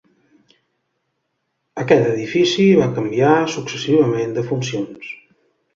Aquest edifici va canviar successivament de funcions.